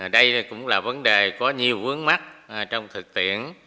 đây cũng là vấn đề có nhiều vướng mắt trong thực tiễn